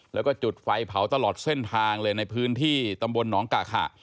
แล้วก็จุดไฟเผาตลอดเส้นทางเลยในพื้นที่ตำบลหนองกะขะ